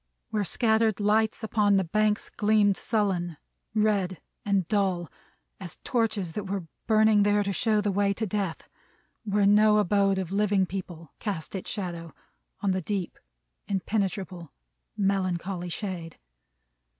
Where scattered lights upon the banks gleamed sullen, red and dull, as torches that were burning there to show the way to Death. Where no abode of living people cast its shadow, on the deep, impenetrable, melancholy shade.